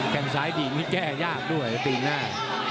แค่งซ้ายดีกนี่แก้ยากด้วยตีนหน้า